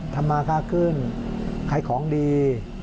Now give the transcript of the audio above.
ทำมาค่าขึ้นขายของดี